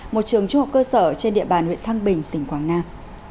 một trường trung học cơ sở trên địa bàn huyện thăng bình tỉnh quảng nam